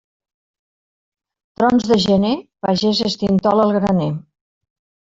Trons de gener, pagès, estintola el graner.